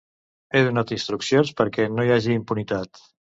He donat instruccions perquè no hi hagi impunitat.